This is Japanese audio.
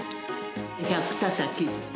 １００たたき。